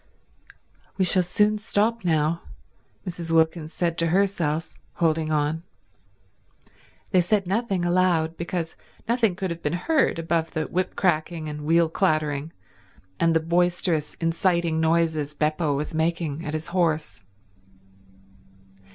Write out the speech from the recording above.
"We shall soon stop now," Mrs. Wilkins said to herself, holding on. They said nothing aloud, because nothing would have been heard above the whip cracking and the wheel clattering and the boisterous inciting noises Beppo was making at his horse.